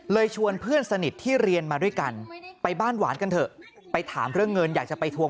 ชวนเพื่อนสนิทที่เรียนมาด้วยกันไปบ้านหวานกันเถอะไปถามเรื่องเงินอยากจะไปทวง